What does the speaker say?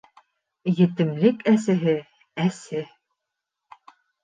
- Етемлек әсеһе әсе.